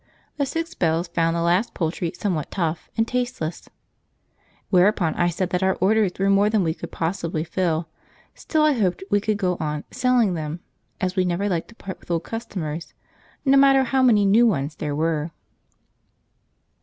The Six Bells found the last poultry somewhat tough and tasteless; whereupon I said that our orders were more than we could possibly fill, still I hoped we could go on "selling them," as we never liked to part with old customers, no matter how many new ones there were.